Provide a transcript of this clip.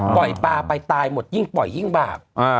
ปล่อยปลาไปตายหมดยิ่งปล่อยยิ่งบาป